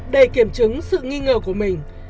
để kiểm chứng sự nghi ngờ của mình